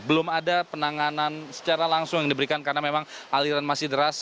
belum ada penanganan secara langsung yang diberikan karena memang aliran masih deras